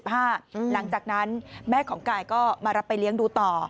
หลังจากนั้นแม่ของกายก็มารับไปเลี้ยงดูต่อ